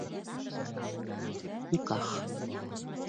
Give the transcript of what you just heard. Никах.